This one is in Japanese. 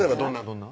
どんな？